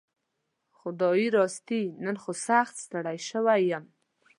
خدايي راستي نن خو سخت ستړى شوي يم